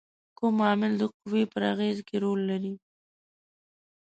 کوم عامل د قوې پر اغیزې کې رول لري؟